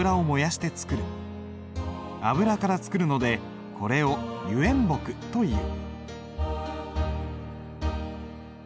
油から作るのでこれを油煙墨という。